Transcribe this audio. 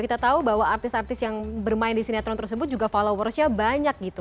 kita tahu bahwa artis artis yang bermain di sinetron tersebut juga followersnya banyak gitu